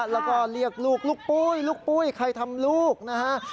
แล้วก็เรียกลูกลูกปุ้ยลูกปุ้ยใครทำลูกนะฮะ